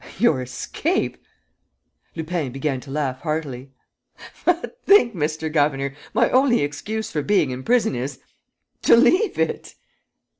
"Your escape!" Lupin began to laugh heartily: "But think, Mr. Governor, my only excuse for being in prison is ... to leave it!"